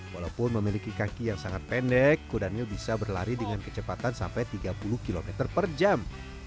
walaupun memiliki kaki yang sangat pendek kudanil bisa berlari dengan kecepatan sampai tiga puluh km per jam